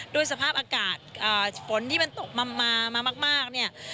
ด้วยสภาพอากาศฝนที่มันตกมามามากมาก